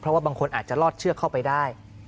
เพราะว่าบางคนอาจจะลอดเชือกเข้าไปได้